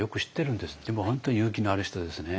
でも本当勇気のある人ですね。